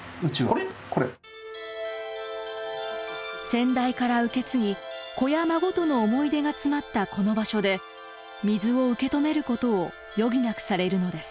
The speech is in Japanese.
先代から受け継ぎ子や孫との思い出が詰まったこの場所で水を受け止めることを余儀なくされるのです。